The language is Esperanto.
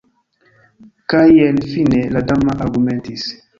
Kaj jen fine la dama argumentis.